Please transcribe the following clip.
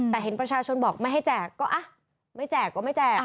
แต่เห็นประชาชนบอกไม่ให้แจกก็ไม่แจกก็ไม่แจก